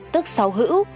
tức sâu hữu